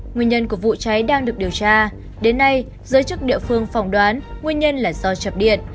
nguyên nhân của vụ cháy đang được điều tra đến nay giới chức địa phương phỏng đoán nguyên nhân là do chập điện